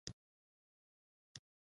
په څلورم څپرکي کې لوېدیځې اروپا واټن ونیو